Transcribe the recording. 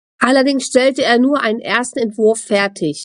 Allerdings stellte er nur einen ersten Entwurf fertig.